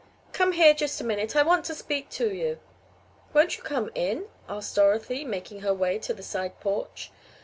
"Come here just a minute. I want to speak to you." "Won't you come in?" asked Dorothy, making her way to the side porch.